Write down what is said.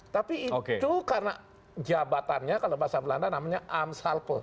tapi itu karena jabatannya kalau bahasa belanda namanya amsalpon